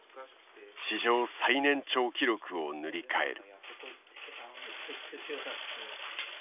史上最年長記録を塗り替える。